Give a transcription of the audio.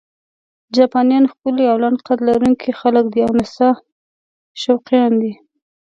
جاپانیان ښکلي او لنډ قد لرونکي خلک دي او د نڅا شوقیان دي.